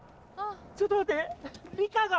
ちょっと待って理科が。